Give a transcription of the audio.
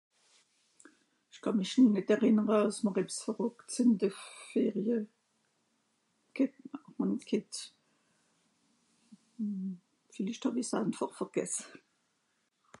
ich kà mich nìt errìnere àss mr ebs verrùckt's ìn de Ferie ghet, hàn g'hett hmm viellicht hàwi's aanfàch vegesse